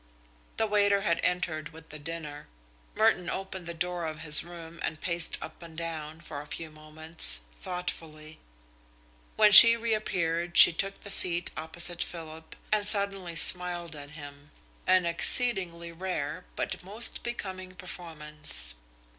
The waiter had entered with the dinner. Merton opened the door of his room and paced up and down, for a few moments, thoughtfully. When she reappeared she took the seat opposite Philip and suddenly smiled at him, an exceedingly rare but most becoming performance.